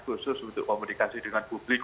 khusus untuk komunikasi dengan publik